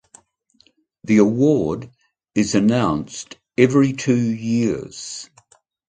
The award is announced every two years.